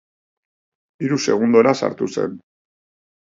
Hiru segundora sartu zen.